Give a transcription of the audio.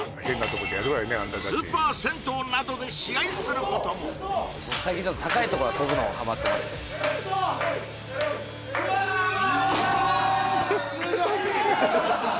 スーパー銭湯などで試合することも最近高いところからとぶのはまってましてバッカだね